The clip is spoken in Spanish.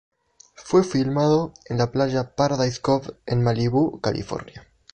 Fue filmado en la playa Paradise Cove en Malibú, California.